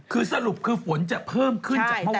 คือสรุปคือฝนจะเพิ่มขึ้นจากเมื่อวาน